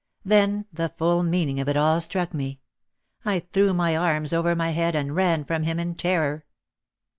Then the full meaning of it all struck me. I threw my arms over my head and ran from him in terror.